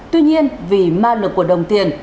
tuy nhiên vì ma lực của đồng tiền